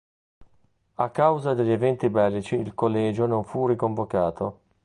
A causa degli eventi bellici il collegio non fu riconvocato.